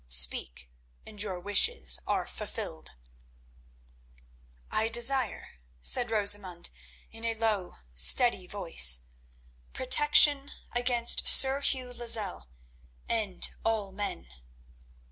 Speak, and your wishes are fulfilled." "I desire," said Rosamund in a low, steady voice, "protection against Sir Hugh Lozelle and all men."